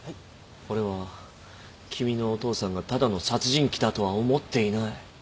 俺は君のお父さんがただの殺人鬼だとは思っていない。